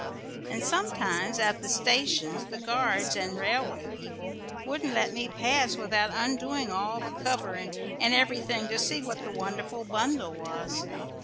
And sometimes at the stations, the guards and railway people wouldn't let me pass without undoing all the cover and everything to see what the wonderful bundle was.